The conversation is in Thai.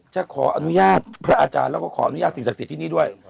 จะขออนุญาตพระอาจารย์แล้วก็ขออนุญาตสิ่งศักดิ์สิทธิ์ที่นี่ด้วย